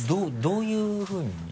どういうふうに？